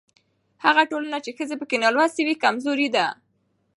هغه ټولنه چې ښځې پکې نالوستې وي کمزورې ده.